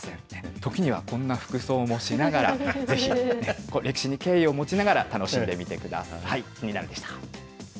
時には、こんな服装もしながら、ぜひ歴史に敬意を持ちながら、楽しんでみてください。